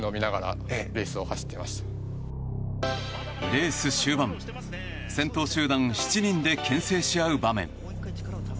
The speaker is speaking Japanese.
レース終盤先頭集団７人で牽制し合う場面。